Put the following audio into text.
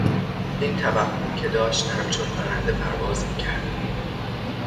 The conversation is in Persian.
این توهم که داشت همچون پرنده پرواز میکرد